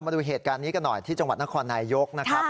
มาดูเหตุการณ์นี้กันหน่อยที่จังหวัดนครนายยกนะครับ